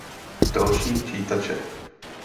Další čítače